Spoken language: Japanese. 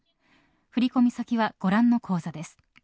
振込先はご覧の口座です。